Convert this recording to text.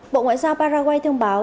bộ ngoại giao paraguay thông báo